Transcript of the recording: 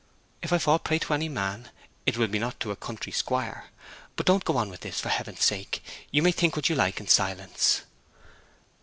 'If I fall a prey to any man, it will not be to a country squire. But don't go on with this, for heaven's sake! You may think what you like in silence.'